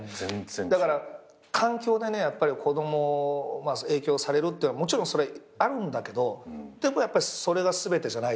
だから環境でねやっぱり子供影響されるってもちろんそれあるんだけどでもそれが全てじゃない。